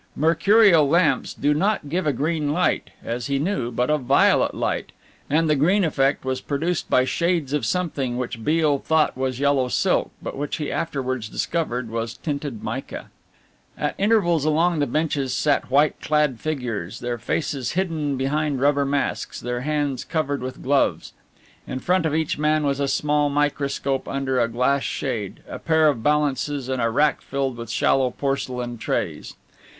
Mercurial lamps do not give a green light, as he knew, but a violet light, and the green effect was produced by shades of something which Beale thought was yellow silk, but which he afterwards discovered was tinted mica. At intervals along the benches sat white clad figures, their faces hidden behind rubber masks, their hands covered with gloves. In front of each man was a small microscope under a glass shade, a pair of balances and a rack filled with shallow porcelain trays.